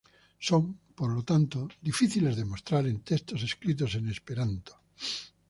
Son, por lo tanto, difíciles de mostrar en textos escritos en esperanto.